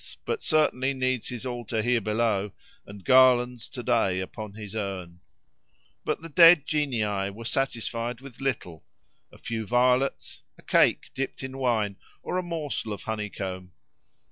—but certainly needs his altar here below, and garlands to day upon his urn. But the dead genii were satisfied with little—a few violets, a cake dipped in wine, or a morsel of honeycomb.